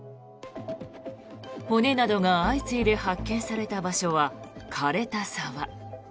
骨などが相次いで発見された場所は枯れた沢。